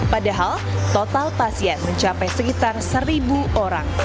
padahal total pasien mencapai sekitar seribu orang